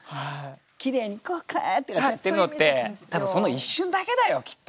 きれいにこうやってるのって多分その一瞬だけだよきっと。